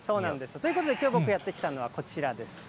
ということで、きょう僕やって来たのは、こちらです。